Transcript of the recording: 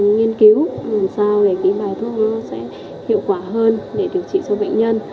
nghiên cứu làm sao để bài thuốc sẽ hiệu quả hơn để điều trị cho bệnh nhân